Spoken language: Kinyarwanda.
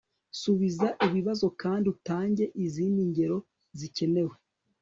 subiza ibibazo kandi utange izindi ngero zikenewe